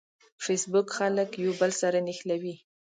فېسبوک خلک یو بل سره نښلوي